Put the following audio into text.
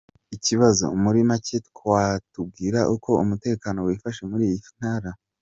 Ikibazo : Muri macye watubwira uko umutekano wifashe muri iyi ntara ?